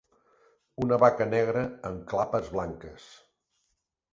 Una vaca negra amb clapes blanques.